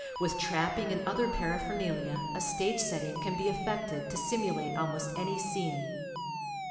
With trapping and other paraphernalia a stage setting can be effected to simulate almost any scene.